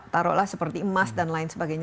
taruhlah seperti emas dan lain sebagainya